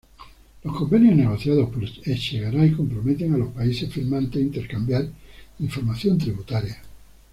Los convenios negociados por Echegaray comprometen a los países firmantes a intercambiar información tributaria.